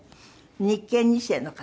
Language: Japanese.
日系２世の方？